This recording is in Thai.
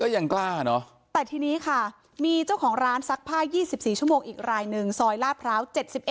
ยังกล้าเนอะแต่ทีนี้ค่ะมีเจ้าของร้านซักผ้า๒๔ชั่วโมงอีกรายหนึ่งซอยลาดพร้าว๗๑